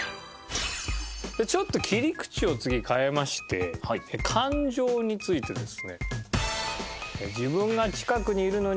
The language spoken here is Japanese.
ちょっと切り口を次変えまして感情についてですね。